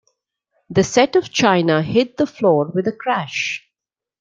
The set of china hit the floor with a crash.